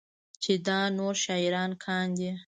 چې دا نور شاعران کاندي